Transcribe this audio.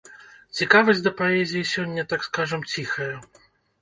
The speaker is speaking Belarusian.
Цікавасць да паэзіі сёння, так скажам, ціхая.